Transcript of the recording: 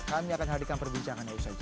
kami akan hadirkan perbincangan yang selanjutnya